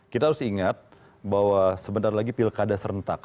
kita harus ingat bahwa sebentar lagi pilkada serentak